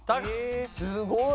すごい。